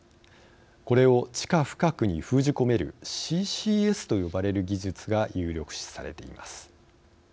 これを地下深くに封じ込める「ＣＣＳ」と呼ばれる技術が有力視されています。